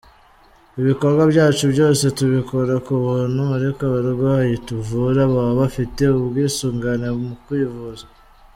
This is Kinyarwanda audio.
Ibikorwa byacu byose tubikora ku buntu, ariko abarwayi tuvura baba bafite ubwisungane mu kwivuza.